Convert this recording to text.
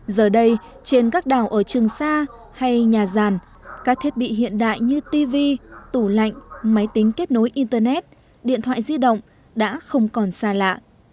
giờ đây trên các đảo ở trường sa hay nhà giàn các thiết bị hiện đại như tv tủ lạnh máy tính kết nối internet điện thoại di động đã không còn xa lạ